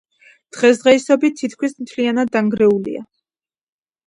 დღესდღეობით თითქმის მთლიანად დანგრეულია.